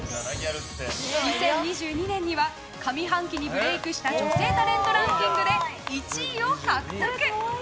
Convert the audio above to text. ２０２２年には上半期にブレークした女性タレントランキングで１位を獲得。